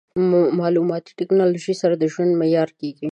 مالوماتي ټکنالوژي سره د ژوند معیاري کېږي.